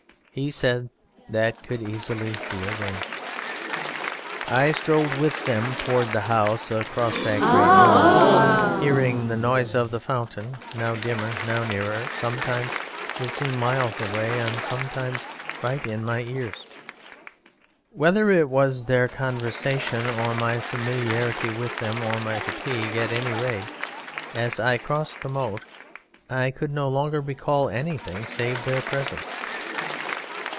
He said that could easily be arranged. "I strolled with them towards the house across that great lawn, hearing the noise of the fountain, now dimmer, now nearer; sometimes it seemed miles away and sometimes right in my ears. Whether it was their conversation or my familiarity with them or my fatigue, at any rate, as I crossed the moat I could no longer recall anything save their presence.